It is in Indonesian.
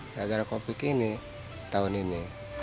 karena kopik ini tahun ini